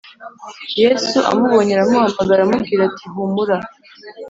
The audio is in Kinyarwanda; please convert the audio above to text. Yesu amubonye aramuhamagara aramubwira ati humura